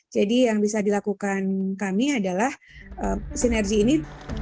jadi yang bisa dilakukan kami adalah sinergi ini